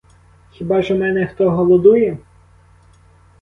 Хіба ж у мене хто голодує?